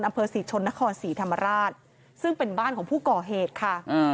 อำเภอศรีชนนครศรีธรรมราชซึ่งเป็นบ้านของผู้ก่อเหตุค่ะ